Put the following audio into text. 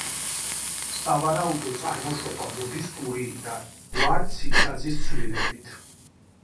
სავარაუდო წარმოშობა მოდის გურიიდან, გვარ ცინცაძის ცვლილებით.